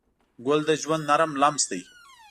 ګل د ژوند نرم لمس دی.